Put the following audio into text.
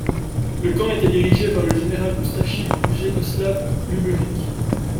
Le camp était dirigé par le général oustachi Vjekoslav Luburić.